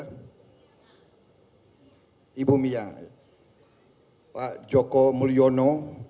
bapak ibu mia pak joko mulyono